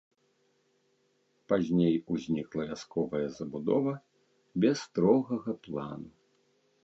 Пазней узнікла вясковая забудова без строгага плану.